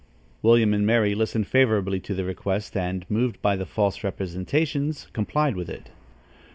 William and Mary listened favorably to the request and, moved by the false representations, complied with it.